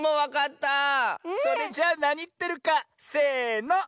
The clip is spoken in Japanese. それじゃなにってるかせの。